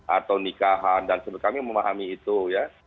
atau nikahan dan kami memahami itu ya